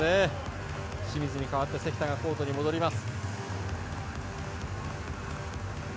清水に代わってセッターがコートに戻ります。